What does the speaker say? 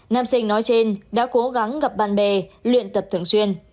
nam sinh nói trên đã cố gắng gặp bạn bè luyện tập thường xuyên